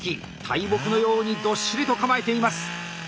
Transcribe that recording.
大木のようにどっしりと構えています。